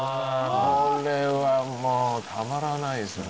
これはもうたまらないですね